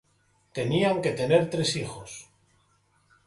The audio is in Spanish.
Tenían que tener tres hijos.